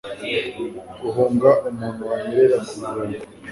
guhunga umuntu wanyerera kumurongo